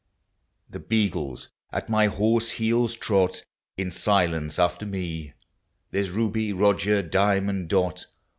The beagles al my horse heels trol In silence after me ; There's Ruby, Roger, Diamond, l><»t.